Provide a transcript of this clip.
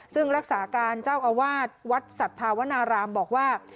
ซึ่งรักษาการเจ้าอาวาสวัดสัทธาวนารามบอกว่า